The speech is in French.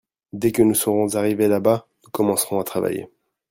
Dès que nous serons arrivés là-bas nous commencerons à travailler.